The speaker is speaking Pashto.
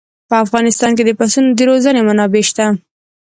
په افغانستان کې د پسونو د روزنې منابع شته.